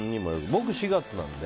僕、４月なので。